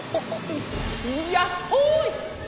やっほい！